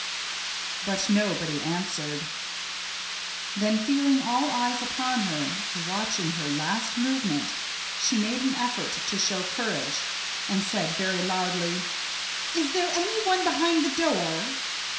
But nobody answered. Then feeling all eyes upon her, watching her last movement, she made an effort to show courage, and said very loudly: "Is there any one behind the door?"